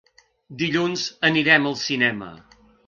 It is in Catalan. Dilluns anirem al cinema.